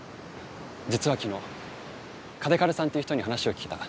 実は昨日嘉手刈さんという人に話を聞いた。